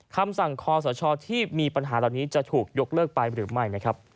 คำสั่งคอสชที่มีปัญหาเหล่านี้จะถูกยกเลิกไปหรือไม่นะครับ